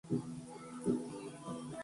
Fue fundado el en la ciudad de Port St.